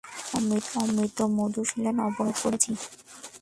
অমিত মৃদুস্বরে বললে, অপরাধ করেছি।